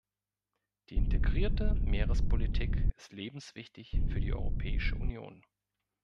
Die integrierte Meerespolitik ist lebenswichtig für die Europäische Union.